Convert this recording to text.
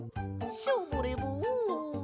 ショボレボン。